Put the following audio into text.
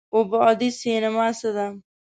اووه بعدی سینما څه ده؟